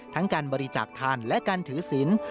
การบริจาคทันและการถือศิลป์